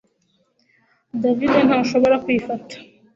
David ntashobora kwifata